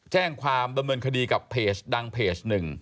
แจ้งความดำเนินคดีกับเพจดังเพจหนึ่ง